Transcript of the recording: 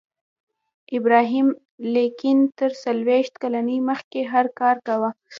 ابراهم لینکن تر څلویښت کلنۍ مخکې هر کار کاوه